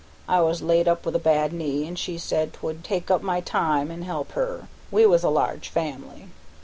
I was laid up with a bad knee, an' she said 'twould take up my time an' help her; we was a large family.